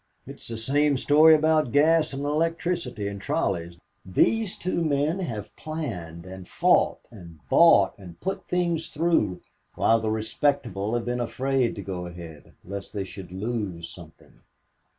"It is the same story about gas and electricity and trolleys. These two men have planned and fought and bought and put things through, while the respectable have been afraid to go ahead, lest they should lose something.